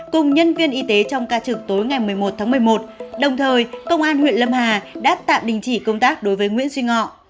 cùng nhân viên y tế trong ca trực tối ngày một mươi một tháng một mươi một đồng thời công an huyện lâm hà đã tạm đình chỉ công tác đối với nguyễn duy ngọ